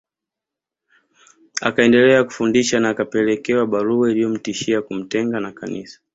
Akaendelea kufundisha na akapelekewa barua iliyomtishia kumtenga na Kanisa